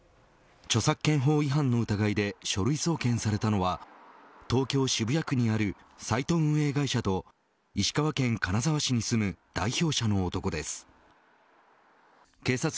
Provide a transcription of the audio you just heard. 著作権法違反の疑いで書類送検されたのは東京、渋谷区にあるサイト運営会社と石川県金沢市に住む代表者の男です。